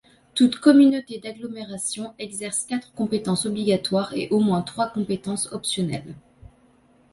Toute communauté d'agglomération exerce quatre compétences obligatoires et au minimum trois compétences optionnelles.